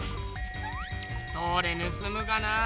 どれぬすむがなあ